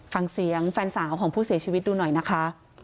ฟังเสียงแฟนสาวของผู้เสียชีวิตดูหน่อยนะคะ